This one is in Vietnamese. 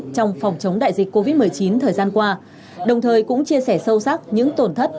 trong phòng chống đại dịch covid một mươi chín thời gian qua đồng thời cũng chia sẻ sâu sắc những tổn thất